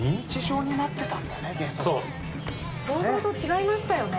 想像と違いましたよね！